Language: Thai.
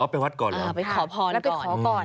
อ๋อไปวัดก่อนเหรอค่ะแล้วไปขอพรก่อน